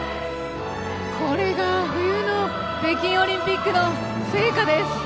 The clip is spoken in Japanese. これが冬の北京オリンピックの聖火です。